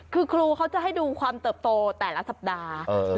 คือครูเขาจะให้ดูความเติบโตแต่ละสัปดาห์